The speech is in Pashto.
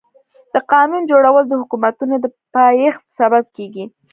د قانون جوړول د حکومتونو د پايښت سبب کيږي.